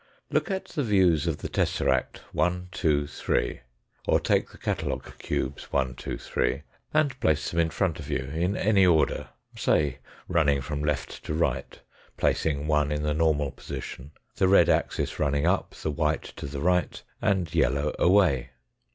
Look at the views of the tesseract 1, 2, 3, or take the catalogue cubes 1, 2, 3, and place them in front of you, in any order, say rum ing from left to right, placing 1 in the normal position, the red axis running up, the white to the right, and yellow away.